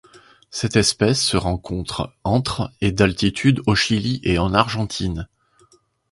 Cette espèce se rencontre entre et d'altitude au Chili et en Argentine.